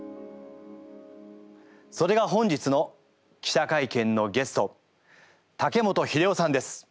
それが本日の記者会見のゲスト竹本秀雄さんです。